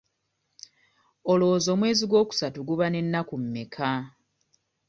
Olowooza omwezi ogwokusatu guba n'ennaku mmeka?